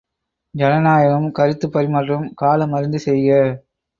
ஜனநாயகமும் கருத்துப் பரிமாற்றமும் காலம் அறிந்து செய்க!